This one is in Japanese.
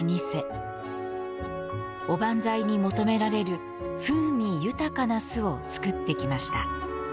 おばんざいに求められる風味豊かな酢を造ってきました。